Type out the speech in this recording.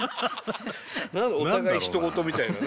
お互いひと事みたいなね。